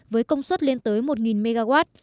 với công suất lên tới một nghìn mw